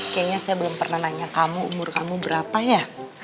kayaknya saya belum pernah nanya kamu umur kamu berapa ya